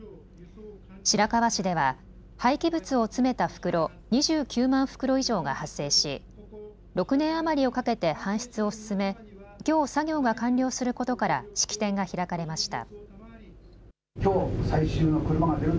白河市では廃棄物を詰めた袋２９万袋以上が発生し６年余りをかけて搬出を進めきょう作業が完了することから式典が開かれました。